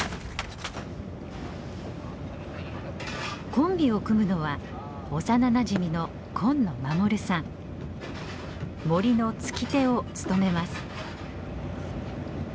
コンビを組むのは幼なじみのモリの突き手を務めます。